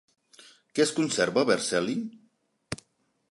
Què es conserva a Vercelli?